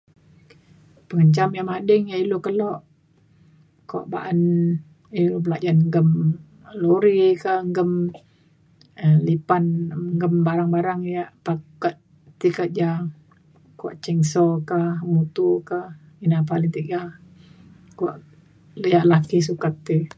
mencam ye ading de ilu keluk ko oban belajan gem lori ke gem lipan gem barang barang kek ti keja kuak cinso ka mutu ka ina paling tiga kuak liya laki suka ti.